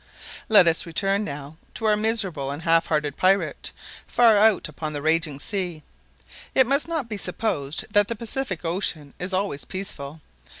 Let us return, now, to our miserable and half hearted pirate, far out upon the raging sea. It must not be supposed that the Pacific Ocean is always peaceful.